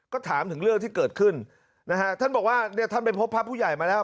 ก็ถามถึงเรื่องที่เกิดขึ้นนะฮะท่านบอกว่าเนี่ยท่านไปพบพระผู้ใหญ่มาแล้ว